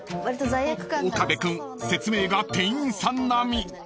［岡部君説明が店員さん並み！］